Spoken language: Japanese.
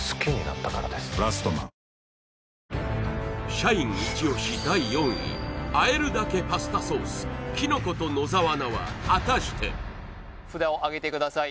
社員イチ押し第４位あえるだけパスタソースきのこと野沢菜は果たして札をあげてください